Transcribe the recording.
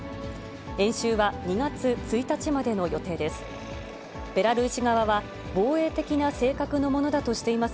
演習は２月１日までの予定です。